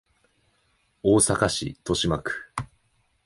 大阪市都島区